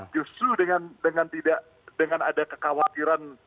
justru dengan ada kekhawatiran